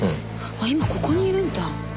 今ここにいるんだ。